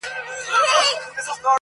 • ښاا ځې نو.